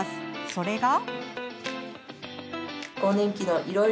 それが。